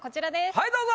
はいどうぞ。